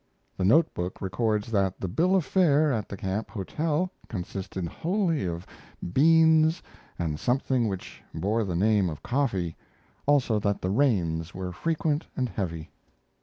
The note book records that the bill of fare at the Camp hotel consisted wholly of beans and something which bore the name of coffee; also that the rains were frequent and heavy.